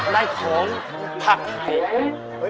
อยากได้ของผักไข่